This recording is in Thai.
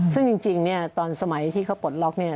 ซึ่งจริงเนี่ยตอนสมัยที่เขาปลดล็อกเนี่ย